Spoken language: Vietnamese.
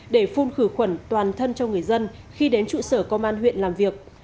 để phun khử khuẩn toàn thân cho người dân khi đến trụ sở công an huyện làm việc